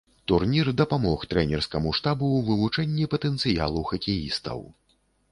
Турнір дапамог трэнерскаму штабу ў вывучэнні патэнцыялу хакеістаў.